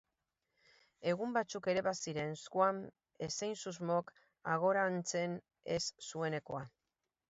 Egun batzuk ere baziren, Swann ezein susmok hagorantzen ez zuenekoak.